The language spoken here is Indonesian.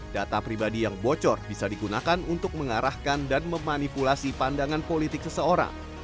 data pribadi yang bocor bisa digunakan untuk mengarahkan dan memanipulasi pandangan politik seseorang